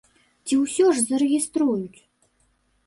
Ці ўсё ж зарэгіструюць?